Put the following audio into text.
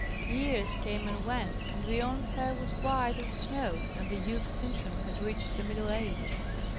Years came and went, and Biorn's hair was white as snow, and the youth Sintram had reached the middle age.